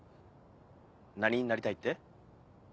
何になりたいって？